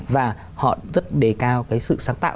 và họ rất đề cao cái sự sáng tạo